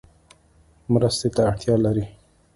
مرستې ته اړتیا لری؟